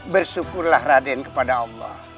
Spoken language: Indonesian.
bersyukurlah raden kepada allah